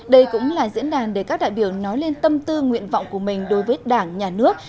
đây cũng là diễn đàn để các đại biểu nói lên tâm tư nguyện vọng của mình đối với đảng nhà nước